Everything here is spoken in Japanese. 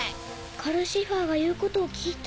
カルシファーが言うことを聞いた。